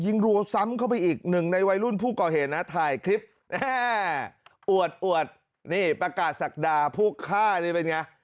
รัวซ้ำเข้าไปอีกหนึ่งในวัยรุ่นผู้ก่อเหตุนะถ่ายคลิปแม่อวดอวดนี่ประกาศศักดาผู้ฆ่านี่เป็นไง